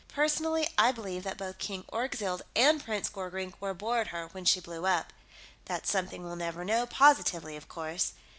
Personally, I believe that both King Orgzild and Prince Gorkrink were aboard her when she blew up. That's something we'll never know, positively, of course.